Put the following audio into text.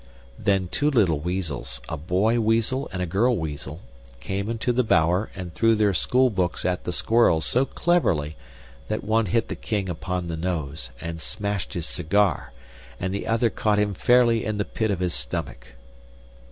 Then two little weasels a boy weasel and a girl weasel came into the bower and threw their school books at the squirrel so cleverly that one hit the King upon the nose and smashed his cigar and the other caught him fairly in the pit of his stomach.